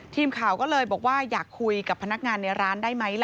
ทีมข่าวก็เลยบอกว่าอยากคุยกับพนักงานในร้านได้ไหม